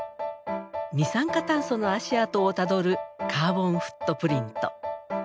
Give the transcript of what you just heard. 二酸化炭素の足あとをたどるカーボンフットプリント。